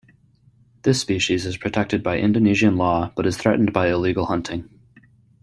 This species is protected by Indonesian law but is threatened by illegal hunting.